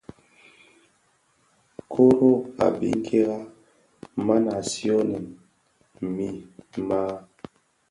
Koro a biňkira, man a siionèn mii maa.